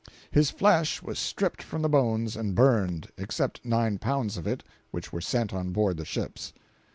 His flesh was stripped from the bones and burned (except nine pounds of it which were sent on board the ships).